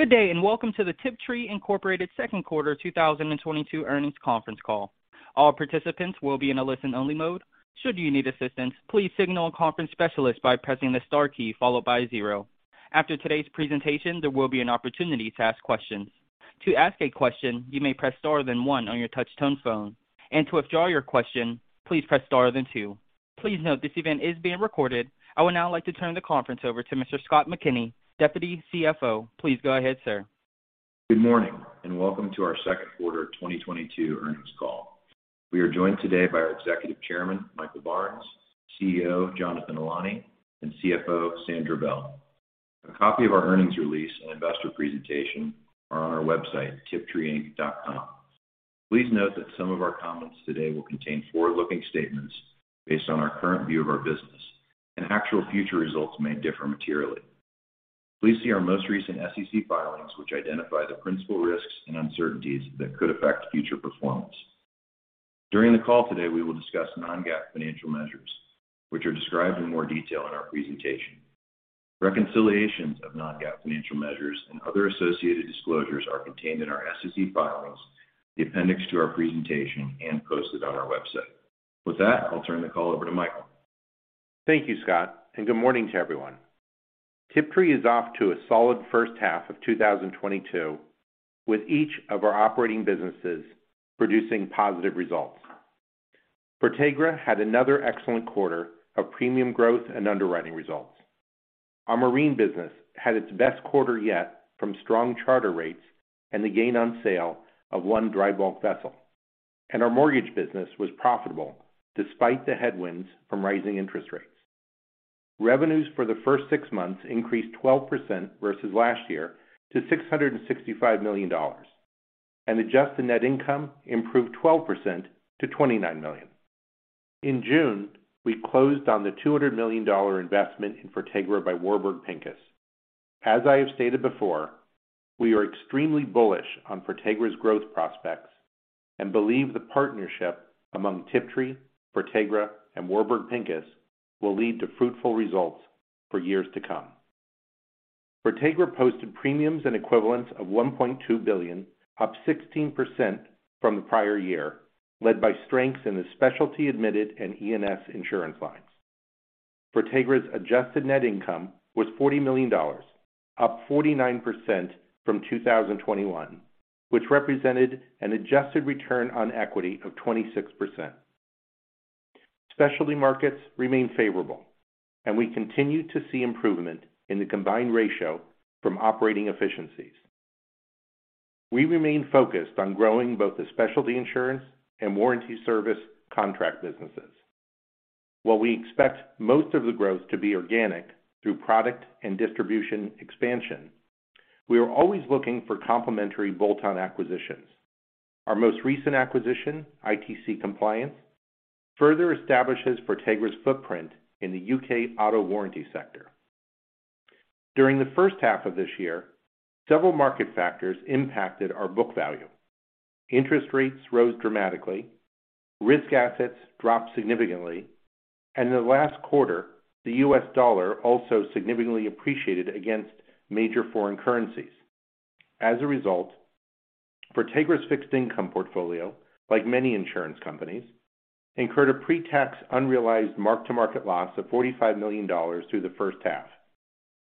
Good day, and welcome to the Tiptree Inc. second quarter 2022 earnings conference call. All participants will be in a listen-only mode. Should you need assistance, please signal a conference specialist by pressing the star key followed by zero. After today's presentation, there will be an opportunity to ask questions. To ask a question, you may press star then one on your touch tone phone, and to withdraw your question, please press star then two. Please note this event is being recorded. I would now like to turn the conference over to Mr. Scott McKinney, Deputy CFO. Please go ahead, sir. Good morning, and welcome to our second quarter 2022 earnings call. We are joined today by our Executive Chairman, Michael Barnes, CEO, Jonathan Ilany, and CFO, Sandra Bell. A copy of our earnings release and investor presentation are on our website, tiptreeinc.com. Please note that some of our comments today will contain forward-looking statements based on our current view of our business and actual future results may differ materially. Please see our most recent SEC filings which identify the principal risks and uncertainties that could affect future performance. During the call today, we will discuss non-GAAP financial measures, which are described in more detail in our presentation. Reconciliations of non-GAAP financial measures and other associated disclosures are contained in our SEC filings, the appendix to our presentation, and posted on our website. With that, I'll turn the call over to Michael. Thank you, Scott, and good morning to everyone. Tiptree is off to a solid first half of 2022, with each of our operating businesses producing positive results. Fortegra had another excellent quarter of premium growth and underwriting results. Our marine business had its best quarter yet from strong charter rates and the gain on sale of one dry bulk vessel. Our mortgage business was profitable despite the headwinds from rising interest rates. Revenues for the first six months increased 12% versus last year to $665 million, and adjusted net income improved 12% to $29 million. In June, we closed on the $200 million investment in Fortegra by Warburg Pincus. As I have stated before, we are extremely bullish on Fortegra's growth prospects and believe the partnership among Tiptree, Fortegra, and Warburg Pincus will lead to fruitful results for years to come. Fortegra posted premiums and equivalents of $1.2 billion, up 16% from the prior year, led by strengths in the specialty admitted and E&S insurance lines. Fortegra's adjusted net income was $40 million, up 49% from 2021, which represented an adjusted return on equity of 26%. Specialty markets remain favorable, and we continue to see improvement in the combined ratio from operating efficiencies. We remain focused on growing both the specialty insurance and warranty service contract businesses. While we expect most of the growth to be organic through product and distribution expansion, we are always looking for complementary bolt-on acquisitions. Our most recent acquisition, ITC Compliance, further establishes Fortegra's footprint in the U.K. auto warranty sector. During the first half of this year, several market factors impacted our book value. Interest rates rose dramatically, risk assets dropped significantly, and in the last quarter, the US dollar also significantly appreciated against major foreign currencies. As a result, Fortegra's fixed income portfolio, like many insurance companies, incurred a pre-tax unrealized mark-to-market loss of $45 million through the first half,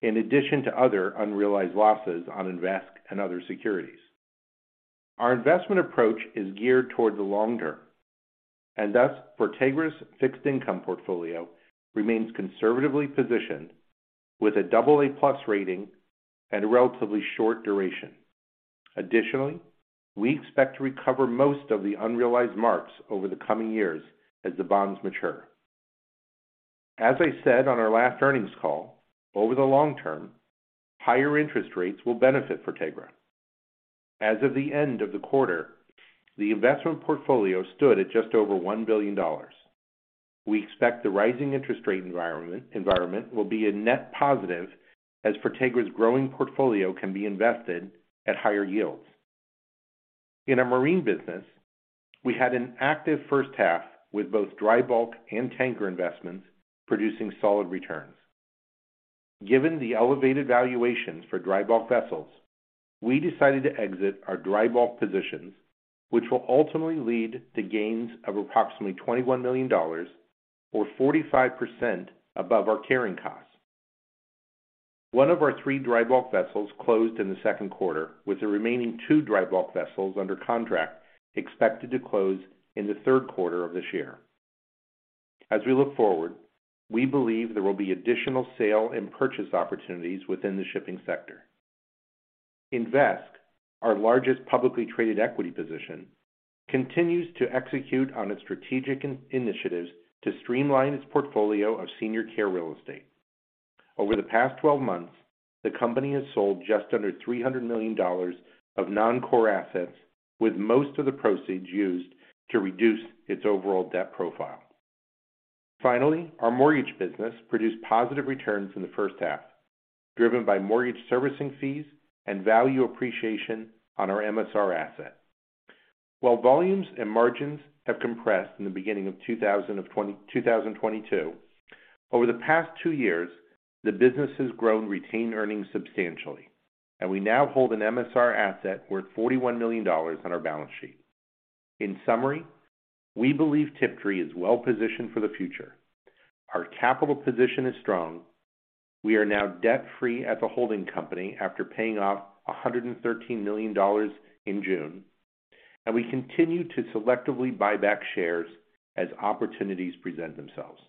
in addition to other unrealized losses on Invesque and other securities. Our investment approach is geared toward the long term, and thus, Fortegra's fixed income portfolio remains conservatively positioned with a double-A plus rating and a relatively short duration. Additionally, we expect to recover most of the unrealized marks over the coming years as the bonds mature. As I said on our last earnings call, over the long term, higher interest rates will benefit Fortegra. As of the end of the quarter, the investment portfolio stood at just over $1 billion. We expect the rising interest rate environment will be a net positive as Fortegra's growing portfolio can be invested at higher yields. In our marine business, we had an active first half with both dry bulk and tanker investments producing solid returns. Given the elevated valuations for dry bulk vessels, we decided to exit our dry bulk positions, which will ultimately lead to gains of approximately $21 million or 45% above our carrying costs. One of our three dry bulk vessels closed in the second quarter, with the remaining two dry bulk vessels under contract expected to close in the third quarter of this year. As we look forward, we believe there will be additional sale and purchase opportunities within the shipping sector. Invesque, our largest publicly traded equity position, continues to execute on its strategic initiatives to streamline its portfolio of senior care real estate. Over the past 12 months, the company has sold just under $300 million of non-core assets, with most of the proceeds used to reduce its overall debt profile. Finally, our mortgage business produced positive returns in the first half, driven by mortgage servicing fees and value appreciation on our MSR asset. While volumes and margins have compressed in the beginning of 2022, over the past two years, the business has grown retained earnings substantially, and we now hold an MSR asset worth $41 million on our balance sheet. In summary, we believe Tiptree is well positioned for the future. Our capital position is strong. We are now debt-free as a holding company after paying off $113 million in June, and we continue to selectively buy back shares as opportunities present themselves.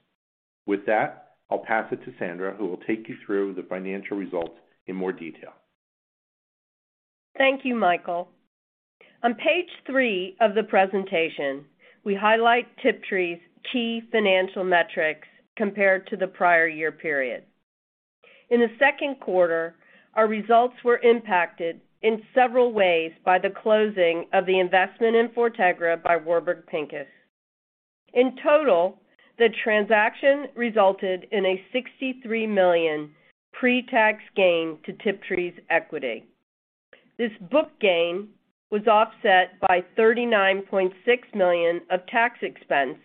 With that, I'll pass it to Sandra, who will take you through the financial results in more detail. Thank you, Michael. On page three of the presentation, we highlight Tiptree's key financial metrics compared to the prior year period. In the second quarter, our results were impacted in several ways by the closing of the investment in Fortegra by Warburg Pincus. In total, the transaction resulted in a $63 million pre-tax gain to Tiptree's equity. This book gain was offset by $39.6 million of tax expense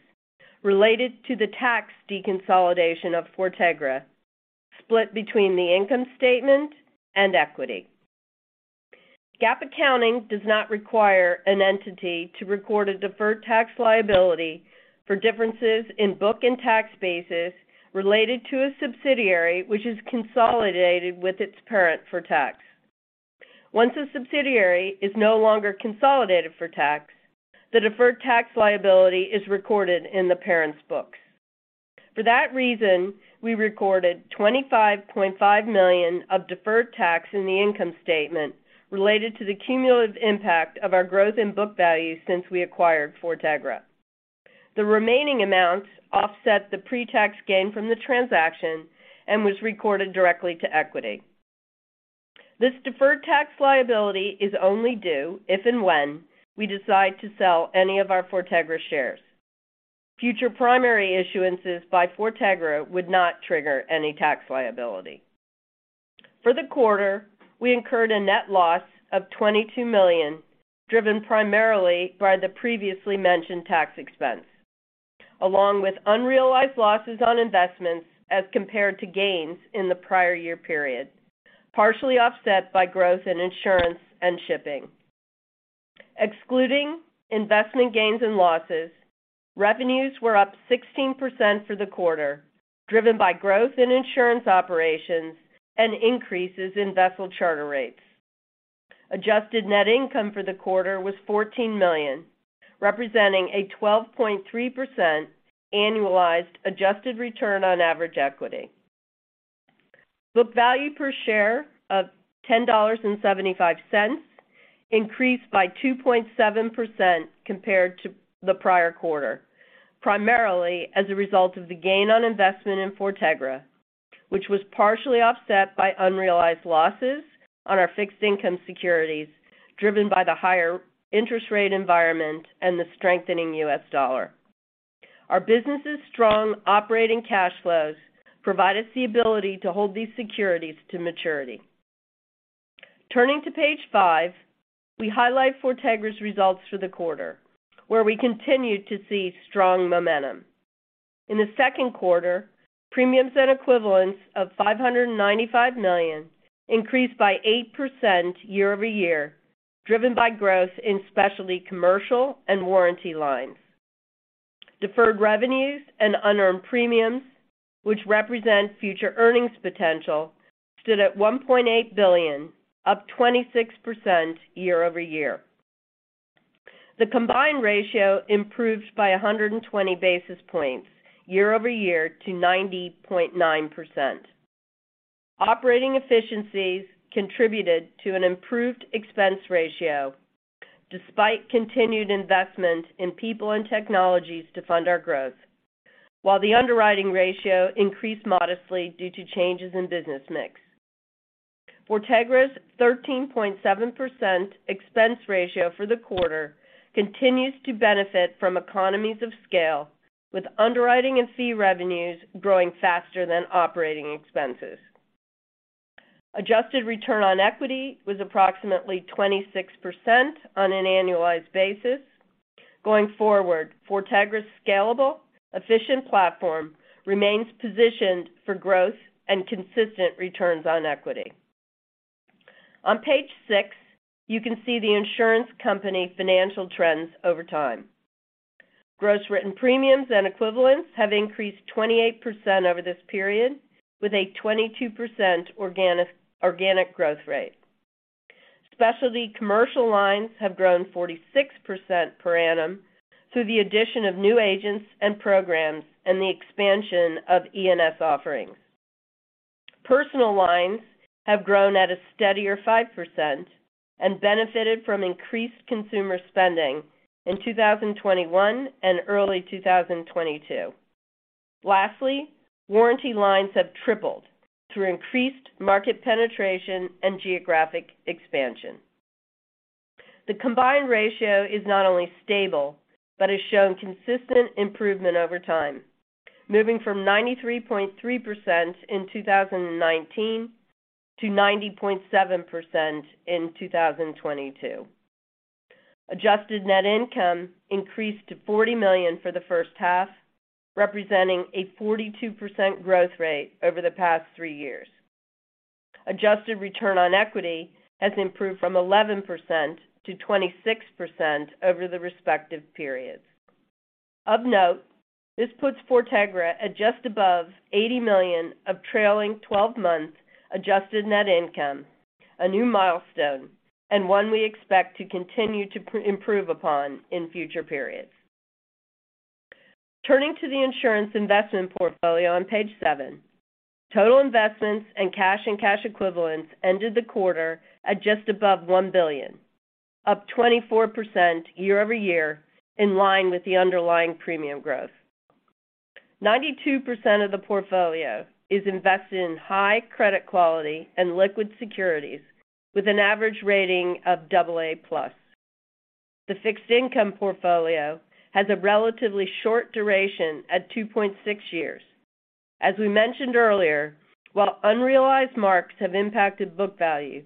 related to the tax deconsolidation of Fortegra, split between the income statement and equity. GAAP accounting does not require an entity to record a deferred tax liability for differences in book and tax basis related to a subsidiary which is consolidated with its parent for tax. Once a subsidiary is no longer consolidated for tax, the deferred tax liability is recorded in the parent's book. For that reason, we recorded $25.5 million of deferred tax in the income statement related to the cumulative impact of our growth in book value since we acquired Fortegra. The remaining amounts offset the pre-tax gain from the transaction and was recorded directly to equity. This deferred tax liability is only due if and when we decide to sell any of our Fortegra shares. Future primary issuances by Fortegra would not trigger any tax liability. For the quarter, we incurred a net loss of $22 million, driven primarily by the previously mentioned tax expense, along with unrealized losses on investments as compared to gains in the prior year period, partially offset by growth in insurance and shipping. Excluding investment gains and losses, revenues were up 16% for the quarter, driven by growth in insurance operations and increases in vessel charter rates. Adjusted net income for the quarter was $14 million, representing a 12.3% annualized adjusted return on average equity. Book value per share of $10.75 increased by 2.7% compared to the prior quarter, primarily as a result of the gain on investment in Fortegra, which was partially offset by unrealized losses on our fixed income securities driven by the higher interest rate environment and the strengthening U.S. dollar. Our business' strong operating cash flows provide us the ability to hold these securities to maturity. Turning to page five, we highlight Fortegra's results for the quarter, where we continued to see strong momentum. In the second quarter, premiums and equivalents of $595 million increased by 8% year-over-year, driven by growth in specialty commercial and warranty lines. Deferred revenues and unearned premiums, which represent future earnings potential, stood at $1.8 billion, up 26% year-over-year. The combined ratio improved by 120 basis points year-over-year to 90.9%. Operating efficiencies contributed to an improved expense ratio despite continued investment in people and technologies to fund our growth. While the underwriting ratio increased modestly due to changes in business mix. Fortegra's 13.7% expense ratio for the quarter continues to benefit from economies of scale, with underwriting and fee revenues growing faster than operating expenses. Adjusted return on equity was approximately 26% on an annualized basis. Going forward, Fortegra's scalable, efficient platform remains positioned for growth and consistent returns on equity. On page six, you can see the insurance company financial trends over time. Gross written premiums and equivalents have increased 28% over this period with a 22% organic growth rate. Specialty commercial lines have grown 46% per annum through the addition of new agents and programs and the expansion of E&S offerings. Personal lines have grown at a steadier 5% and benefited from increased consumer spending in 2021 and early 2022. Lastly, warranty lines have tripled through increased market penetration and geographic expansion. The combined ratio is not only stable, but has shown consistent improvement over time, moving from 93.3% in 2019 to 90.7% in 2022. Adjusted net income increased to $40 million for the first half, representing a 42% growth rate over the past three years. Adjusted return on equity has improved from 11% to 26% over the respective periods. Of note, this puts Fortegra at just above $80 million of trailing twelve months adjusted net income, a new milestone, and one we expect to continue to improve upon in future periods. Turning to the insurance investment portfolio on page seven, total investments and cash and cash equivalents ended the quarter at just above $1 billion, up 24% year-over-year, in line with the underlying premium growth. 92% of the portfolio is invested in high credit quality and liquid securities with an average rating of AA+. The fixed income portfolio has a relatively short duration at 2.6 years. As we mentioned earlier, while unrealized marks have impacted book value,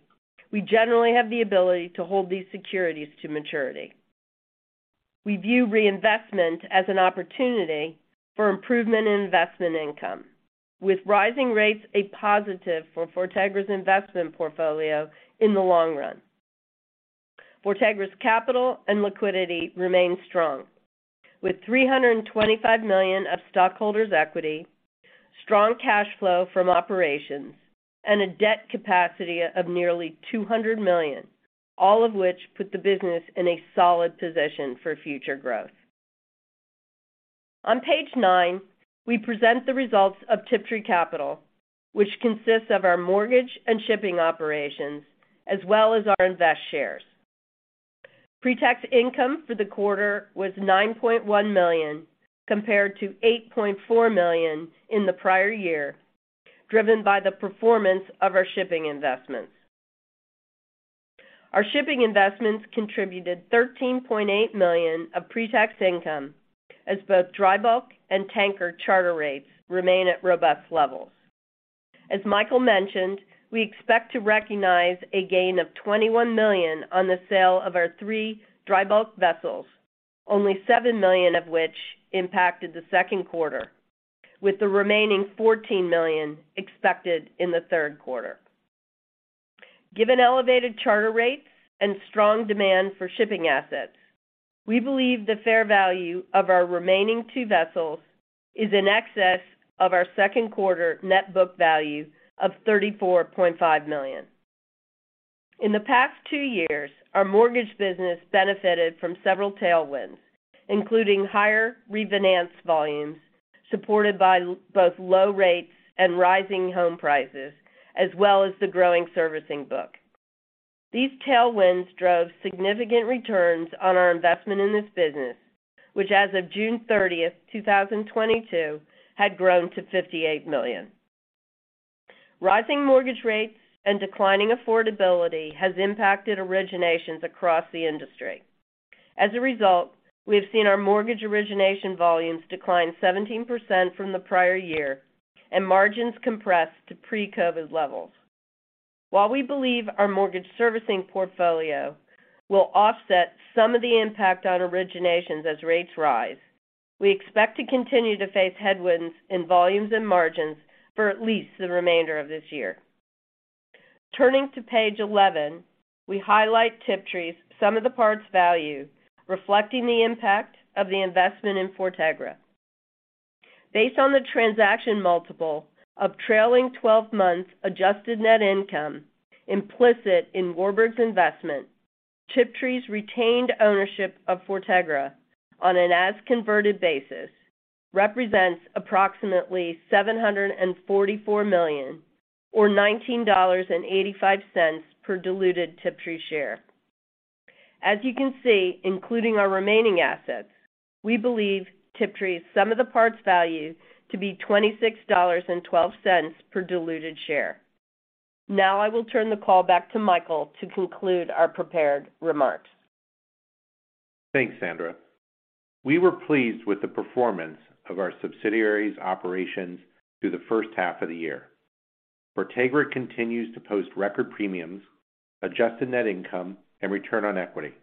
we generally have the ability to hold these securities to maturity. We view reinvestment as an opportunity for improvement in investment income. With rising rates a positive for Fortegra's investment portfolio in the long run. Fortegra's capital and liquidity remain strong, with $325 million of stockholders' equity, strong cash flow from operations, and a debt capacity of nearly $200 million, all of which put the business in a solid position for future growth. On page nine, we present the results of Tiptree Capital, which consists of our mortgage and shipping operations, as well as our invest shares. Pre-tax income for the quarter was $9.1 million compared to $8.4 million in the prior year, driven by the performance of our shipping investments. Our shipping investments contributed $13.8 million of pre-tax income as both dry bulk and tanker charter rates remain at robust levels. As Michael mentioned, we expect to recognize a gain of $21 million on the sale of our three dry bulk vessels, only $7 million of which impacted the second quarter, with the remaining $14 million expected in the third quarter. Given elevated charter rates and strong demand for shipping assets, we believe the fair value of our remaining two vessels is in excess of our second quarter net book value of $34.5 million. In the past two years, our mortgage business benefited from several tailwinds, including higher refinance volumes supported by both low rates and rising home prices, as well as the growing servicing book. These tailwinds drove significant returns on our investment in this business, which as of June 30, 2022, had grown to $58 million. Rising mortgage rates and declining affordability has impacted originations across the industry. As a result, we have seen our mortgage origination volumes decline 17% from the prior year and margins compress to pre-COVID levels. While we believe our mortgage servicing portfolio will offset some of the impact on originations as rates rise, we expect to continue to face headwinds in volumes and margins for at least the remainder of this year. Turning to page 11, we highlight Tiptree's sum-of-the-parts value reflecting the impact of the investment in Fortegra. Based on the transaction multiple of trailing twelve months adjusted net income implicit in Warburg's investment, Tiptree's retained ownership of Fortegra on an as-converted basis represents approximately $744 million or $19.85 per diluted Tiptree share. As you can see, including our remaining assets, we believe Tiptree's sum-of-the-parts value to be $26.12 per diluted share. Now I will turn the call back to Michael to conclude our prepared remarks. Thanks, Sandra. We were pleased with the performance of our subsidiaries' operations through the first half of the year. Fortegra continues to post record premiums, adjusted net income, and return on equity.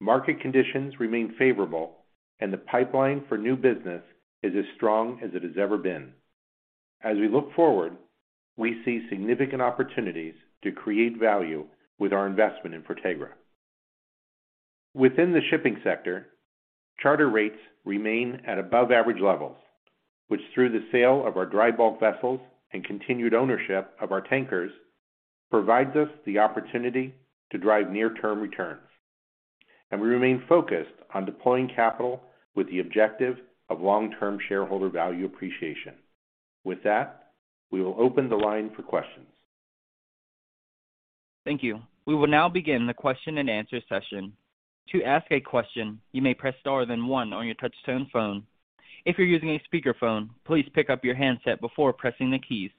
Market conditions remain favorable and the pipeline for new business is as strong as it has ever been. As we look forward, we see significant opportunities to create value with our investment in Fortegra. Within the shipping sector, charter rates remain at above average levels, which through the sale of our dry bulk vessels and continued ownership of our tankers, provides us the opportunity to drive near-term returns. We remain focused on deploying capital with the objective of long-term shareholder value appreciation. With that, we will open the line for questions. Thank you. We will now begin the question and answer session. To ask a question, you may press star then one on your touch-tone phone. If you're using a speakerphone, please pick up your handset before pressing the keys.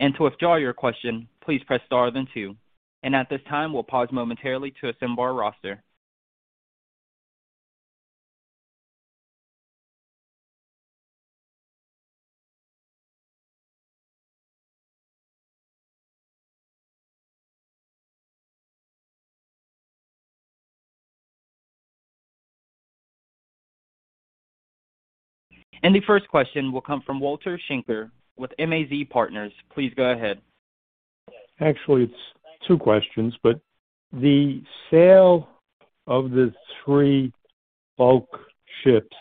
To withdraw your question, please press star then two. At this time, we'll pause momentarily to assemble our roster. The first question will come from Walter Schenker with MAZ Partners. Please go ahead. Actually, it's two questions, but the sale of the three bulk ships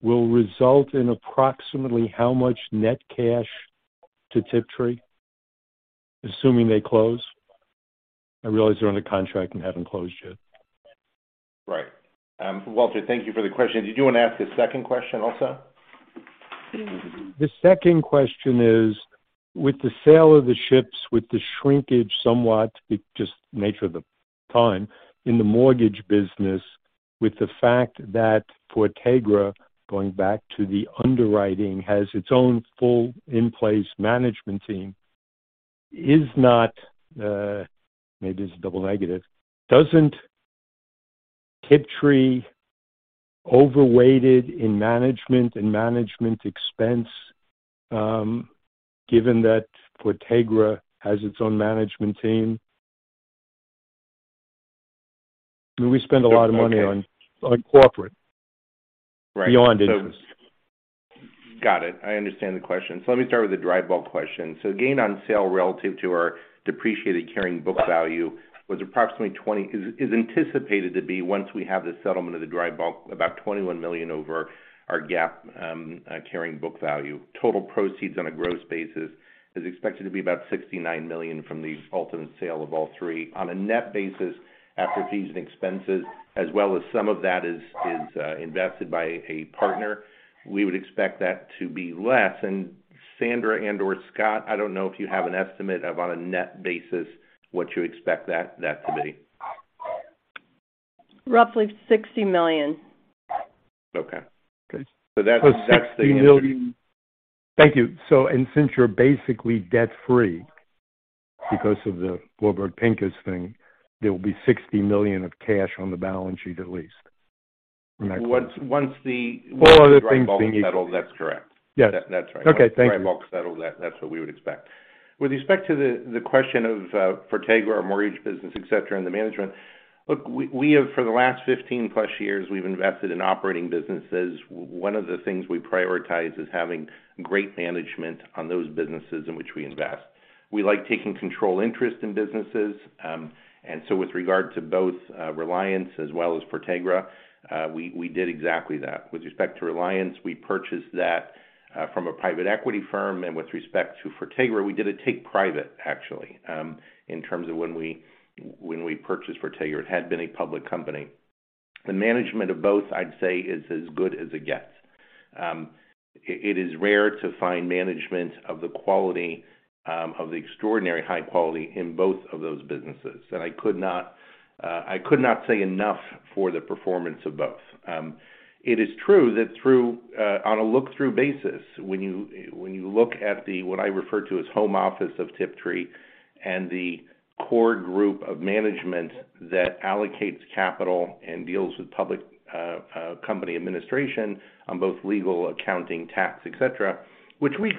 will result in approximately how much net cash to Tiptree, assuming they close? I realize they're under contract and haven't closed yet. Right. Walter, thank you for the question. Did you want to ask a second question also? The second question is, with the sale of the ships, with the shrinkage somewhat, just nature of the time in the mortgage business, with the fact that Fortegra, going back to the underwriting, has its own full in-place management team, is not, maybe it's a double negative. Doesn't Tiptree overweighted in management and management expense, given that Fortegra has its own management team? I mean, we spend a lot of money on corporate- Right. Beyond interest. Got it. I understand the question. Let me start with the dry bulk question. Gain on sale relative to our depreciated carrying book value is anticipated to be, once we have the settlement of the dry bulk, about $21 million over our GAAP carrying book value. Total proceeds on a gross basis is expected to be about $69 million from the ultimate sale of all three. On a net basis, after fees and expenses, as well as some of that is invested by a partner, we would expect that to be less. Sandra and or Scott, I don't know if you have an estimate of, on a net basis, what you expect that to be. Roughly $60 million. Okay. Okay. That's. $60 million. Thank you. Since you're basically debt-free because of the Warburg Pincus thing, there will be $60 million of cash on the balance sheet at least. Once. All other things being equal. Once the dry bulk settle, that's correct. Yes. That's right. Okay. Thank you. Once the dry bulk settle, that's what we would expect. With respect to the question of Fortegra or mortgage business, et cetera, and the management. Look, we have for the last 15+ years, we've invested in operating businesses. One of the things we prioritize is having great management on those businesses in which we invest. We like taking control interest in businesses. With regard to both Reliance as well as Fortegra, we did exactly that. With respect to Reliance, we purchased that from a private equity firm. With respect to Fortegra, we did a take private actually, in terms of when we purchased Fortegra, it had been a public company. The management of both, I'd say, is as good as it gets. It is rare to find management of the quality, of the extraordinary high quality in both of those businesses. I could not say enough for the performance of both. It is true that on a look-through basis, when you look at the what I refer to as home office of Tiptree and the core group of management that allocates capital and deals with public company administration on both legal, accounting, tax, etc., which we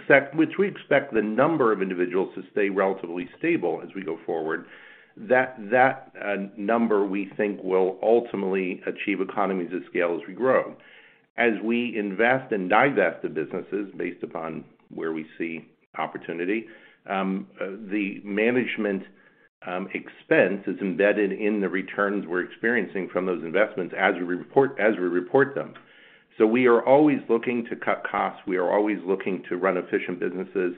expect the number of individuals to stay relatively stable as we go forward, that number we think will ultimately achieve economies of scale as we grow. As we invest and divest the businesses based upon where we see opportunity, the management expense is embedded in the returns we're experiencing from those investments as we report them. We are always looking to cut costs. We are always looking to run efficient businesses.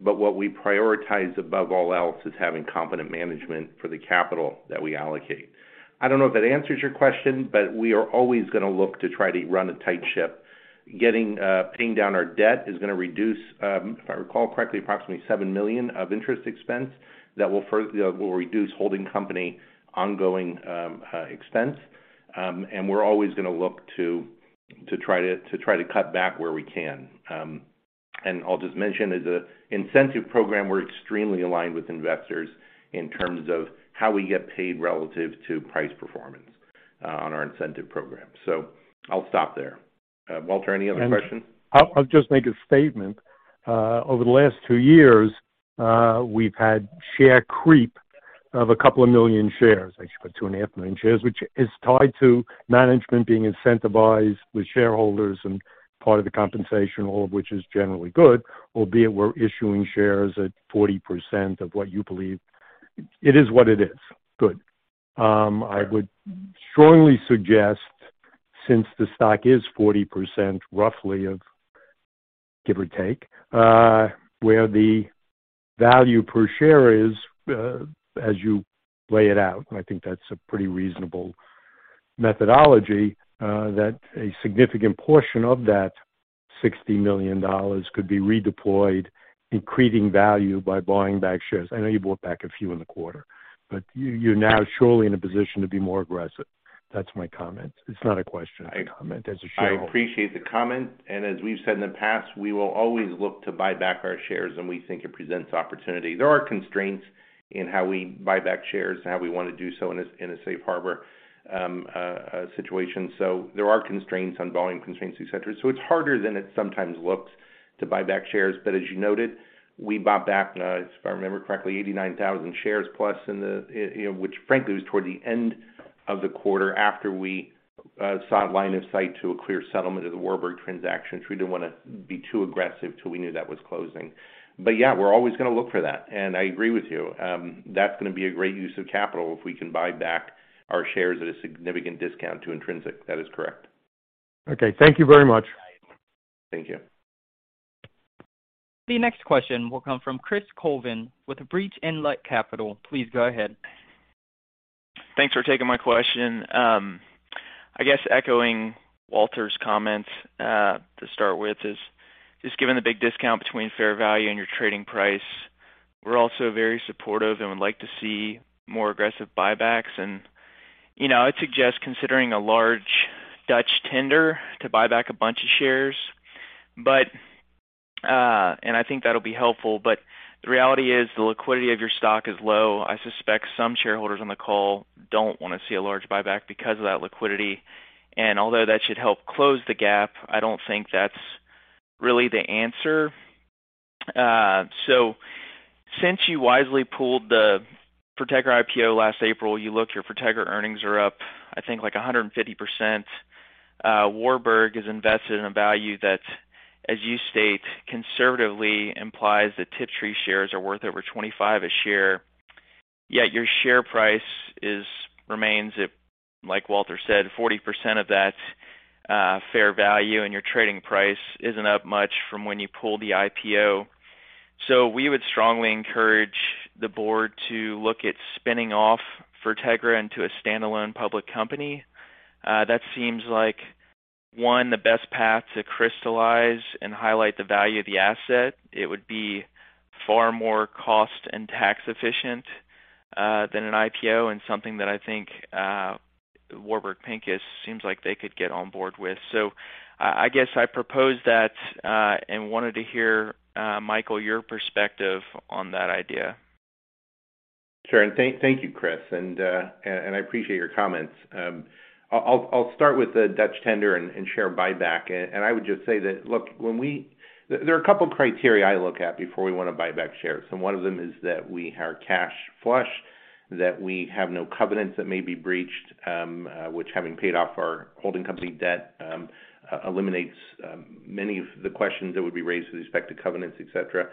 What we prioritize above all else is having competent management for the capital that we allocate. I don't know if that answers your question, but we are always gonna look to try to run a tight ship. Paying down our debt is gonna reduce, if I recall correctly, approximately $7 million of interest expense that will reduce holding company ongoing expense. We're always gonna look to try to cut back where we can. I'll just mention as an incentive program, we're extremely aligned with investors in terms of how we get paid relative to price performance on our incentive program. I'll stop there. Walter, any other questions? I'll just make a statement. Over the last two years, we've had share creep of a couple of million shares, actually about 2.5 million shares, which is tied to management being incentivized with shareholders and part of the compensation, all of which is generally good, albeit we're issuing shares at 40% of what you believe. It is what it is. Good. I would strongly suggest, since the stock is 40% roughly of give or take, where the value per share is, as you lay it out, and I think that's a pretty reasonable methodology, that a significant portion of that $60 million could be redeployed, increasing value by buying back shares. I know you bought back a few in the quarter, but you're now surely in a position to be more aggressive. That's my comment. It's not a question, a comment as a shareholder. I appreciate the comment, and as we've said in the past, we will always look to buy back our shares, and we think it presents opportunity. There are constraints in how we buy back shares and how we want to do so in a safe harbor situation. There are constraints on volume constraints, et cetera. It's harder than it sometimes looks to buy back shares. As you noted, we bought back, if I remember correctly, 89,000+ shares in the you know, which frankly, was toward the end of the quarter after we saw a line of sight to a clear settlement of the Warburg Pincus transaction. We didn't wanna be too aggressive till we knew that was closing. Yeah, we're always gonna look for that. I agree with you, that's gonna be a great use of capital if we can buy back our shares at a significant discount to intrinsic. That is correct. Okay, thank you very much. Thank you. The next question will come from Chris Colvin with Breach Inlet Capital. Please go ahead. Thanks for taking my question. I guess echoing Walter's comment, to start with is just given the big discount between fair value and your trading price, we're also very supportive and would like to see more aggressive buybacks. You know, I'd suggest considering a large Dutch tender to buy back a bunch of shares. I think that'll be helpful. The reality is the liquidity of your stock is low. I suspect some shareholders on the call don't wanna see a large buyback because of that liquidity. Although that should help close the gap, I don't think that's really the answer. Since you wisely pulled the Fortegra IPO last April, your Fortegra earnings are up, I think like 150%. Warburg is invested in a value that, as you state, conservatively implies that Tiptree shares are worth over $25 a share. Yet your share price is remains at, like Walter said, 40% of that fair value, and your trading price isn't up much from when you pooled the IPO. We would strongly encourage the board to look at spinning off Fortegra into a standalone public company. That seems like, one, the best path to crystallize and highlight the value of the asset. It would be far more cost and tax efficient than an IPO and something that I think Warburg Pincus seems like they could get on board with. I guess I propose that and wanted to hear, Michael, your perspective on that idea. Sure. Thank you, Chris. I appreciate your comments. I'll start with the Dutch tender and share buyback. I would just say that, look, when there are a couple criteria I look at before we wanna buy back shares, and one of them is that we are cash flush, that we have no covenants that may be breached, which having paid off our holding company debt, eliminates many of the questions that would be raised with respect to covenants, et cetera.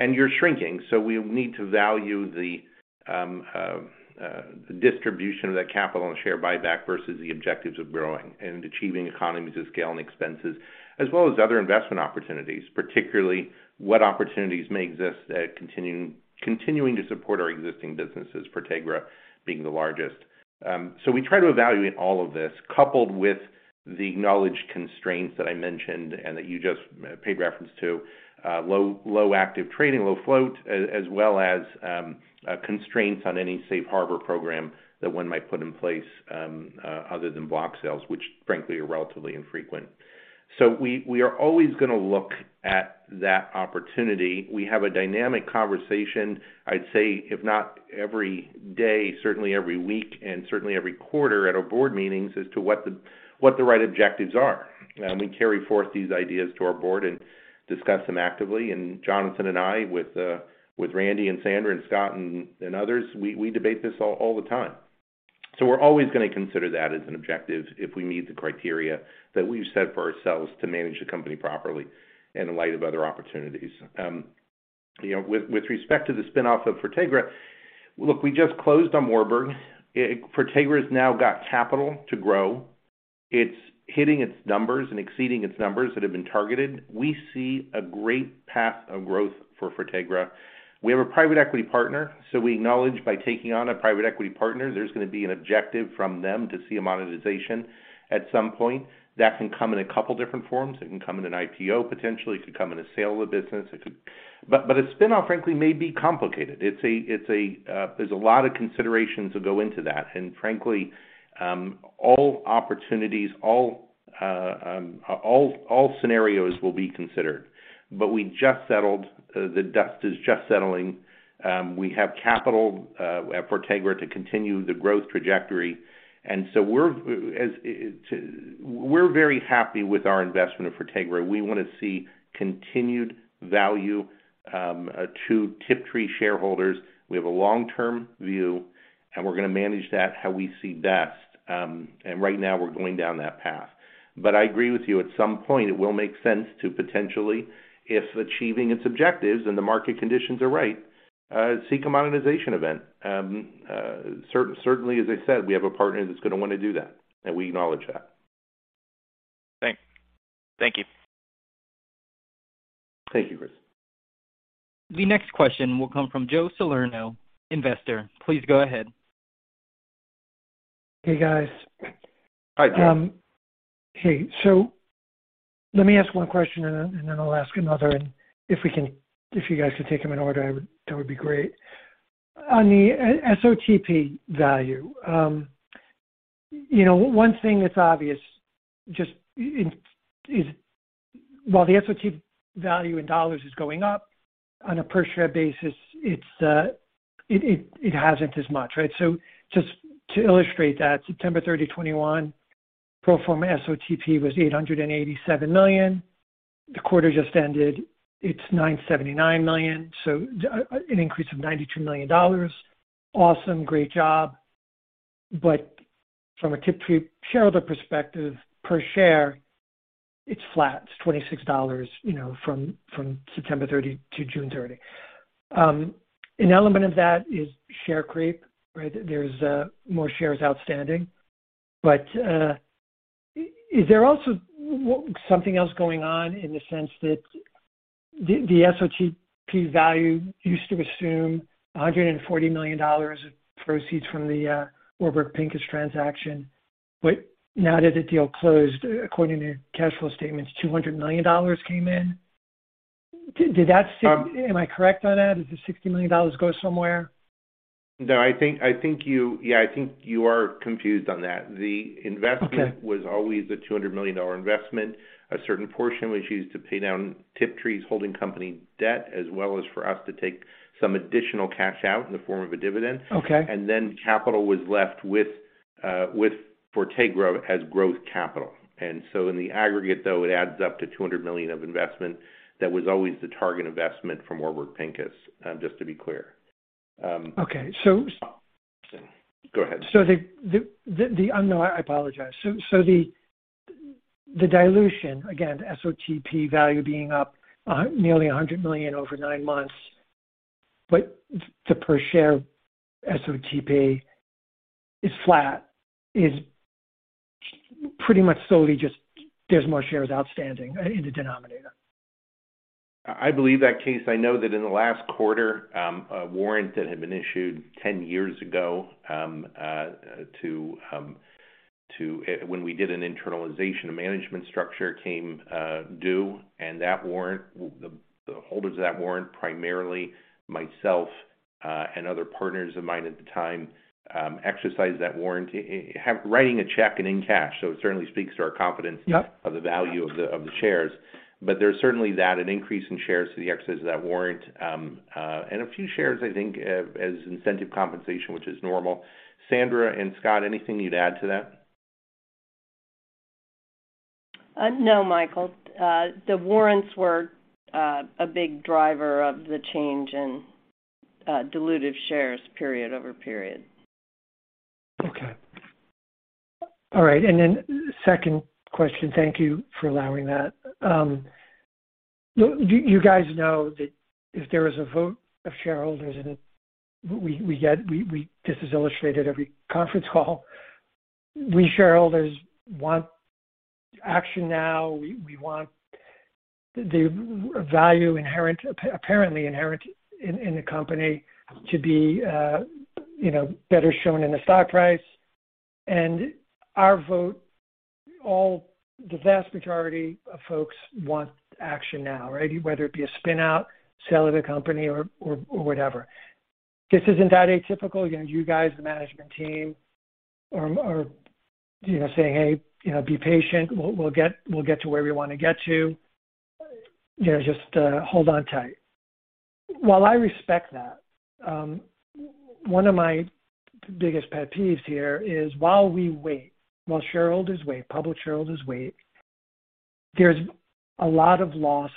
You're shrinking, so we need to value the distribution of that capital and share buyback versus the objectives of growing and achieving economies of scale and expenses, as well as other investment opportunities, particularly what opportunities may exist at continuing to support our existing businesses, Fortegra being the largest. We try to evaluate all of this coupled with the knowledge constraints that I mentioned and that you just made reference to, low active trading, low float, as well as constraints on any safe harbor program that one might put in place, other than block sales, which frankly are relatively infrequent. We are always gonna look at that opportunity. We have a dynamic conversation, I'd say, if not every day, certainly every week and certainly every quarter at our board meetings as to what the right objectives are. We carry forth these ideas to our board and discuss them actively. Jonathan and I with Randy and Sandra and Scott and others, we debate this all the time. We're always gonna consider that as an objective if we meet the criteria that we've set for ourselves to manage the company properly in light of other opportunities. With respect to the spin-off of Fortegra, look, we just closed on Warburg. Fortegra has now got capital to grow. It's hitting its numbers and exceeding its numbers that have been targeted. We see a great path of growth for Fortegra. We have a private equity partner, so we acknowledge by taking on a private equity partner, there's gonna be an objective from them to see a monetization at some point. That can come in a couple different forms. It can come in an IPO, potentially. It could come in a sale of business. A spin-off, frankly, may be complicated. It's a... there's a lot of considerations that go into that. Frankly, all opportunities, all scenarios will be considered. We just settled. The dust is just settling. We have capital at Fortegra to continue the growth trajectory. We're very happy with our investment at Fortegra. We wanna see continued value to Tiptree shareholders. We have a long-term view, and we're gonna manage that how we see best. Right now we're going down that path. I agree with you. At some point, it will make sense to potentially, if achieving its objectives and the market conditions are right, seek a monetization event. Certainly, as I said, we have a partner that's gonna wanna do that, and we acknowledge that. Thank you. Thank you, Chris. The next question will come from Joe Salerno, investor. Please go ahead. Hey, guys. Hi, Joe. Hey.Let me ask one question and then I'll ask another. If we can if you guys could take them in order, I would that would be great. On the SOTP value, you know, one thing that's obvious is while the SOTP value in dollars is going up on a per share basis, it hasn't as much, right? Just to illustrate that, September 30, 2021 pro forma SOTP was $887 million. The quarter just ended, it's $979 million. An increase of $92 million. Awesome. Great job. From a Tiptree shareholder perspective, per share it's flat. It's $26, you know, from September 30 to June 30. An element of that is share creep, right? There's more shares outstanding. Is there also something else going on in the sense that the SOTP value used to assume $140 million of proceeds from the Warburg Pincus transaction. Now that the deal closed, according to cash flow statements, $200 million came in. Did that sit- Um- Am I correct on that? Did the $60 million go somewhere? No. Yeah, I think you are confused on that. Okay. The investment was always a $200 million investment. A certain portion was used to pay down Tiptree's holding company debt as well as for us to take some additional cash out in the form of a dividend. Okay. Capital was left with Fortegra as growth capital. In the aggregate, though, it adds up to $200 million of investment. That was always the target investment from Warburg Pincus, just to be clear. Okay. Go ahead. The dilution, again, SOTP value being up nearly $100 million over nine months, but the per share SOTP is flat is pretty much solely just there's more shares outstanding in the denominator. I believe that's the case. I know that in the last quarter, a warrant that had been issued 10 years ago, to when we did an internalization of management structure came due. Well, the holders of that warrant, primarily myself and other partners of mine at the time, exercised that warrant by writing a check in cash. It certainly speaks to our confidence. Yep. of the value of the shares. There's certainly an increase in shares due to the exercise of that warrant, and a few shares, I think, as incentive compensation, which is normal. Sandra and Scott, anything you'd add to that? No, Michael. The warrants were a big driver of the change in dilutive shares period over period. Okay. All right. Second question. Thank you for allowing that. You guys know that if there is a vote of shareholders, this is illustrated every conference call. We shareholders want action now. We want the value apparently inherent in the company to be, you know, better shown in the stock price. Our vote, the vast majority of folks want action now, right? Whether it be a spin out, sale of the company or whatever. This isn't that atypical. You know, you guys, the management team are, you know, saying, "Hey, you know, be patient. We'll get to where we wanna get to. You know, just hold on tight." While I respect that, one of my biggest pet peeves here is while we wait, while shareholders wait, public shareholders wait, there's a lot of loss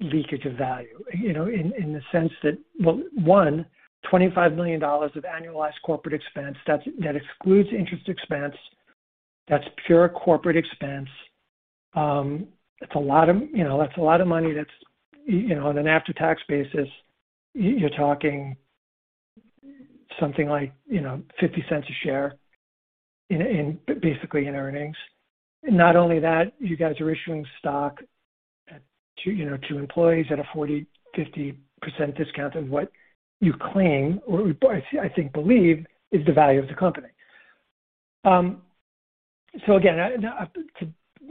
leakage of value. You know, in the sense that, well, one, $25 million of annualized corporate expense, that's, that excludes interest expense. That's pure corporate expense. That's a lot of, you know, that's a lot of money that's, you're talking something like, you know, $0.50 a share in basically in earnings. Not only that, you guys are issuing stock at two, you know, to employees at a 40%-50% discount of what you claim or I think believe is the value of the company. So again,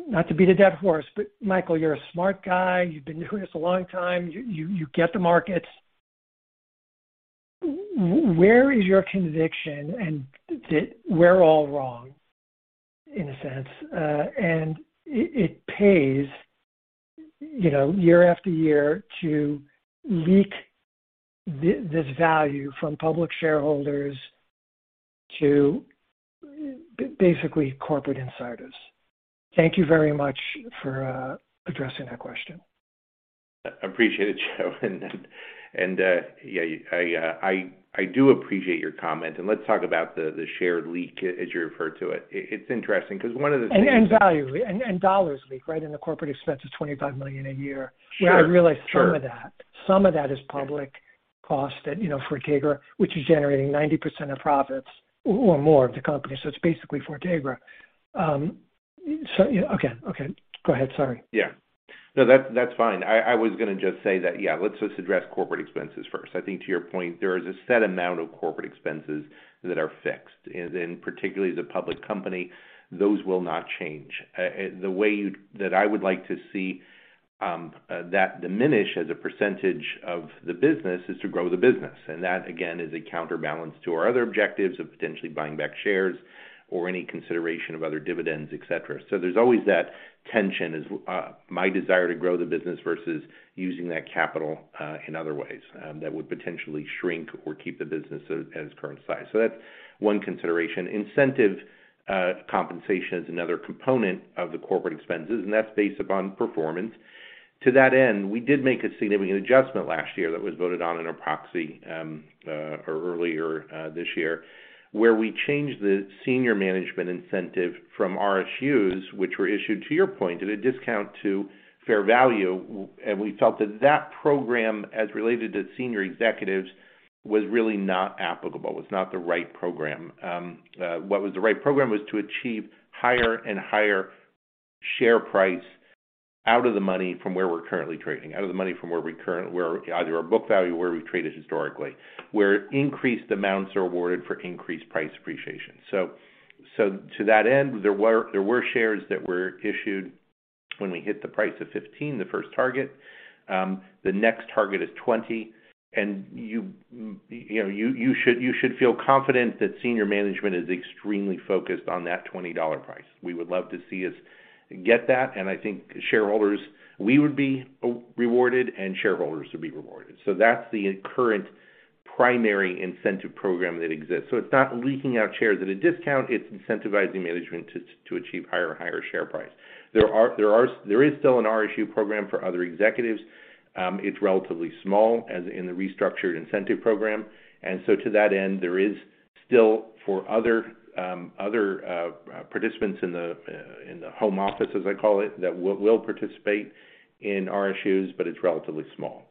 not to beat a dead horse, but Michael, you're a smart guy. You've been doing this a long time. You get the markets. Where is your conviction and that we're all wrong, in a sense, and it pays, you know, year after year to leak this value from public shareholders to basically corporate insiders. Thank you very much for addressing that question. Appreciate it, Joe. Yeah, I do appreciate your comment. Let's talk about the shared leak, as you refer to it. It's interesting 'cause one of the things. value leak and dollars leak, right? The corporate expense is $25 million a year. Sure. Sure. I realize some of that. Some of that is public cost that, you know, Fortegra, which is generating 90% of profits or more of the company. It's basically Fortegra. Okay, go ahead. Sorry. Yeah. No, that's fine. I was gonna just say that, yeah, let's just address corporate expenses first. I think to your point, there is a set amount of corporate expenses that are fixed. Particularly as a public company, those will not change. The way that I would like to see that diminish as a percentage of the business is to grow the business. That, again, is a counterbalance to our other objectives of potentially buying back shares or any consideration of other dividends, et cetera. There's always that tension, my desire to grow the business versus using that capital in other ways that would potentially shrink or keep the business at its current size. That's one consideration. Incentive compensation is another component of the corporate expenses, and that's based upon performance. To that end, we did make a significant adjustment last year that was voted on in our proxy, or earlier, this year, where we changed the senior management incentive from RSUs, which were issued, to your point, at a discount to fair value. We felt that that program, as related to senior executives, was really not applicable. It was not the right program. What was the right program was to achieve higher and higher share price out of the money from where we're currently trading, out of the money from where either our book value, where we've traded historically, where increased amounts are awarded for increased price appreciation. So to that end, there were shares that were issued when we hit the price of $15, the first target. The next target is $20. You know, you should feel confident that senior management is extremely focused on that $20 price. We would love to see us get that, and I think shareholders we would be rewarded, and shareholders would be rewarded. That's the current primary incentive program that exists. It's not leaking out shares at a discount, it's incentivizing management to achieve higher and higher share price. There is still an RSU program for other executives. It's relatively small as in the restructured incentive program. To that end, there is still for other participants in the home office, as I call it, that will participate in RSUs, but it's relatively small.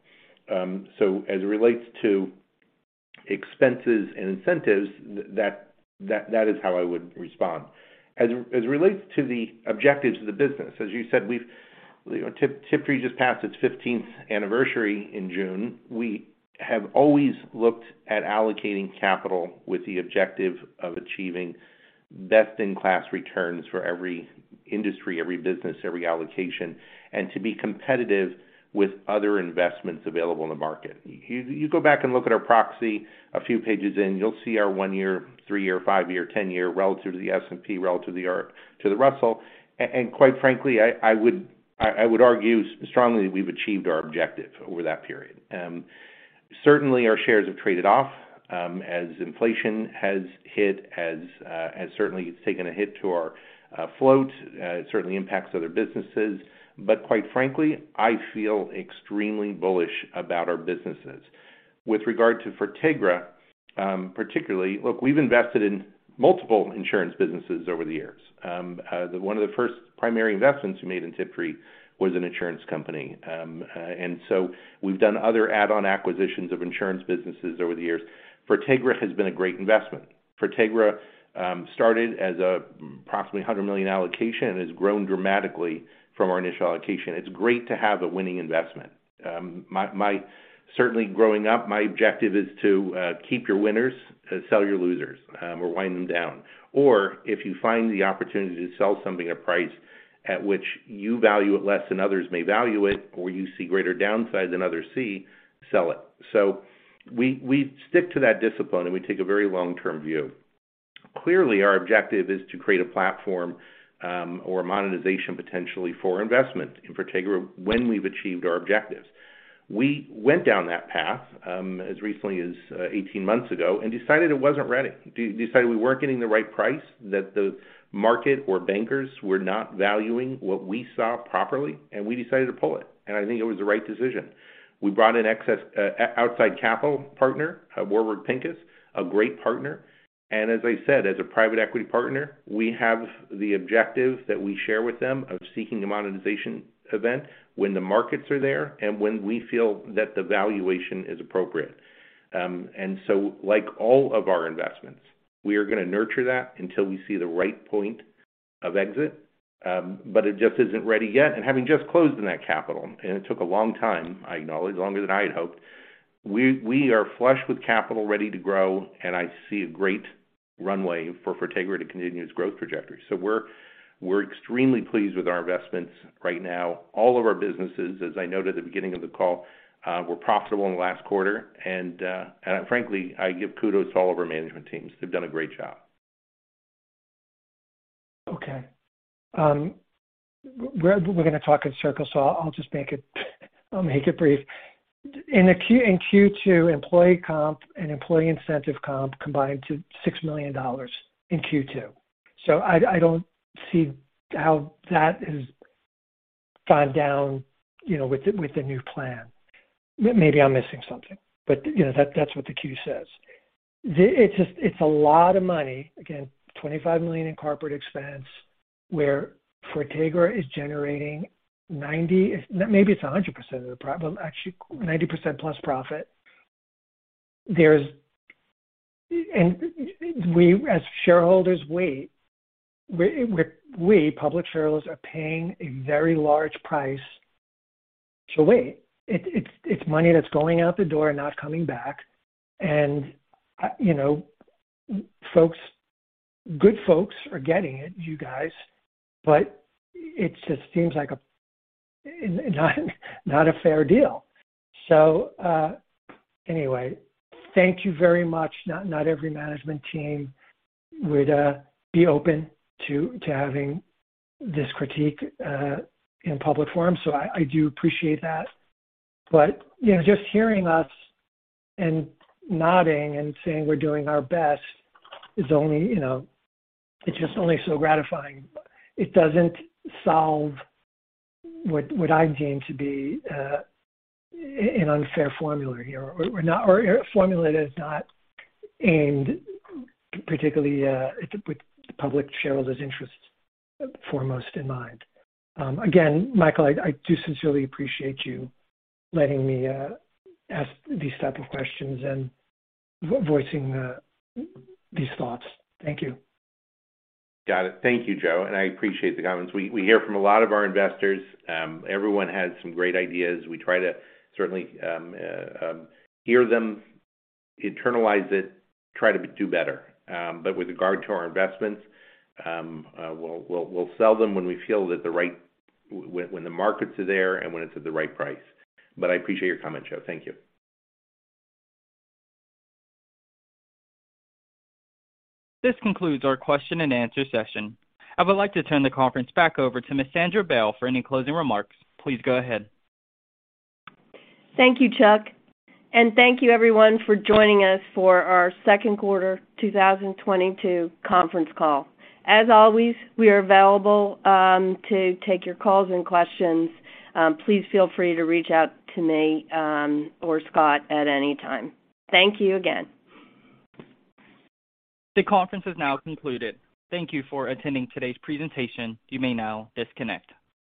As it relates to expenses and incentives, that is how I would respond. As it relates to the objectives of the business, as you said, You know, Tiptree just passed its fifteenth anniversary in June. We have always looked at allocating capital with the objective of achieving best-in-class returns for every industry, every business, every allocation, and to be competitive with other investments available in the market. You go back and look at our proxy a few pages in, you'll see our one-year, three-year, five-year, ten-year relative to the S&P, relative to the Russell. And quite frankly, I would argue strongly that we've achieved our objective over that period. Certainly our shares have traded off, as inflation has hit, as certainly it's taken a hit to our float. It certainly impacts other businesses. Quite frankly, I feel extremely bullish about our businesses. With regard to Fortegra, particularly. Look, we've invested in multiple insurance businesses over the years. One of the first primary investments we made in Tiptree was an insurance company. We've done other add-on acquisitions of insurance businesses over the years. Fortegra has been a great investment. Fortegra started as approximately $100 million allocation and has grown dramatically from our initial allocation. It's great to have a winning investment. Certainly growing up, my objective is to keep your winners and sell your losers, or wind them down. Or if you find the opportunity to sell something at a price at which you value it less than others may value it, or you see greater downside than others see, sell it. We stick to that discipline, and we take a very long-term view. Clearly, our objective is to create a platform or monetization potentially for investment in Fortegra when we've achieved our objectives. We went down that path as recently as 18 months ago and decided it wasn't ready. Decided we weren't getting the right price, that the market or bankers were not valuing what we saw properly, and we decided to pull it, and I think it was the right decision. We brought in outside capital partner, Warburg Pincus, a great partner. As I said, as a private equity partner, we have the objective that we share with them of seeking a monetization event when the markets are there and when we feel that the valuation is appropriate. Like all of our investments, we are gonna nurture that until we see the right point of exit. It just isn't ready yet. Having just closed in that capital, and it took a long time, I acknowledge longer than I had hoped, we are flush with capital ready to grow, and I see a great runway for Fortegra to continue its growth trajectory. We're extremely pleased with our investments right now. All of our businesses, as I noted at the beginning of the call, were profitable in the last quarter. Frankly, I give kudos to all of our management teams. They've done a great job. Okay. We're gonna talk in circles, so I'll make it brief. In Q2, employee comp and employee incentive comp combined to $6 million in Q2. So I don't see how that is gone down, you know, with the new plan. Maybe I'm missing something, but you know, that's what the Q says. It's just a lot of money. Again, $25 million in corporate expense, where Fortegra is generating 90%, maybe it's 100% of the profit, but actually 90% plus profit. We as shareholders wait. We, public shareholders, are paying a very large price to wait. It's money that's going out the door and not coming back. You know, folks, good folks are getting it, you guys, but it just seems like not a fair deal. Anyway, thank you very much. Not every management team would be open to having this critique in public forum. I do appreciate that. You know, just hearing us and nodding and saying we're doing our best is only, you know, it's just only so gratifying. It doesn't solve what I deem to be an unfair formula here. Or a formula that is not aimed particularly with the public shareholders' interests foremost in mind. Again, Michael, I do sincerely appreciate you letting me ask these type of questions and voicing these thoughts. Thank you. Got it. Thank you, Joe, and I appreciate the comments. We hear from a lot of our investors. Everyone has some great ideas. We try to certainly hear them, internalize it, try to do better. With regard to our investments, we'll sell them when we feel when the markets are there and when it's at the right price. I appreciate your comment, Joe. Thank you. This concludes our question and answer session. I would like to turn the conference back over to Ms. Sandra Bell for any closing remarks. Please go ahead. Thank you, Chuck. Thank you everyone for joining us for our second quarter 2022 conference call. As always, we are available to take your calls and questions. Please feel free to reach out to me or Scott at any time. Thank you again. The conference is now concluded. Thank you for attending today's presentation. You may now disconnect.